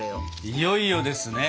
いよいよですね！